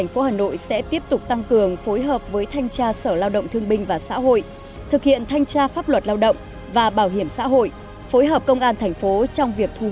phối hợp công an thành phố trong việc thu hồi nợ